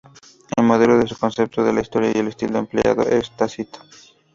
El modelo de su concepto de la historia y el estilo empleado es Tácito.